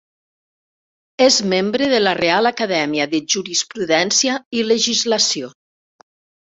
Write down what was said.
És membre de la Reial Acadèmia de Jurisprudència i Legislació.